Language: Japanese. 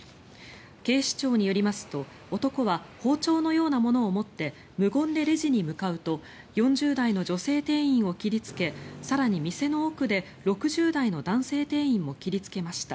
警視庁によりますと、男は包丁のようなものを持って無言でレジに向かうと４０代の女性店員を切りつけ更に店の奥で６０代の男性店員も切りつけました。